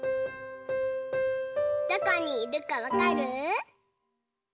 どこにいるかわかる？